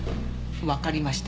わかりました。